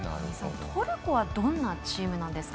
トルコはどんなチームなんですか？